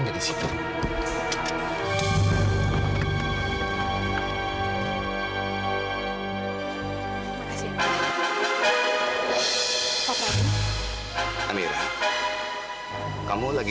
bapak mau air